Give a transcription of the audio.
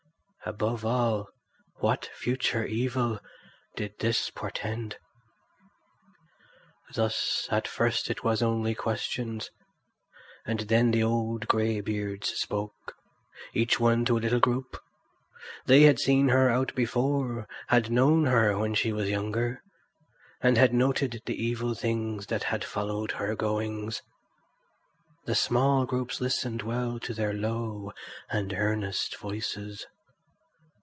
Above all, what future evil did this portend? Thus at first it was only questions. And then the old grey beards spoke, each one to a little group; they had seen her out before, had known her when she was younger, and had noted the evil things that had followed her goings: the small groups listened well to their low and earnest voices.